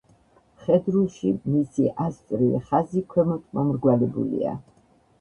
მხედრულში მისი ასწვრივი ხაზი ქვემოთ მომრგვალებულია.